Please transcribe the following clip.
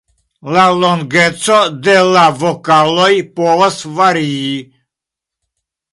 La longeco de la vokaloj povas varii.